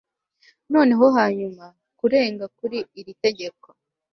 noneho hanyuma, kurenga kuri iri tegeko